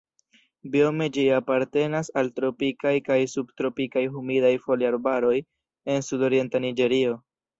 Biome ĝi apartenas al tropikaj kaj subtropikaj humidaj foliarbaroj en sudorienta Niĝerio.